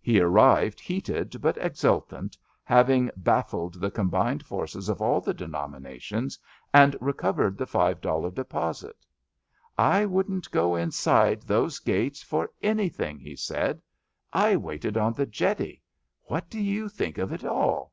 He arrived heated but exultant, having baffled the combined forces of all the denominations and recovered the five dollar deposit. ^* I wouldn't go inside those 184 ABAFT THE FUNNEL gates for anything,*' he said/ ^^ I waited on the jetty. What do you think of it all